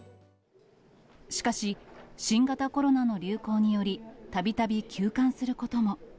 しかし、新型コロナの流行により、たびたび休館することも。